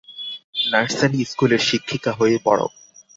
Nursery স্কুলের শিক্ষিকা হয়ে পড়।